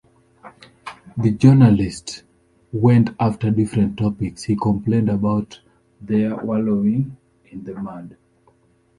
When journalists went after different topics, he complained about their wallowing in the mud.